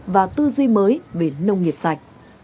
và tư duy mới về nông nghiệp sạch